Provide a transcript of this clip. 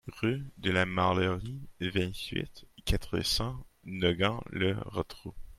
Rue de la Mâlerie, vingt-huit, quatre cents Nogent-le-Rotrou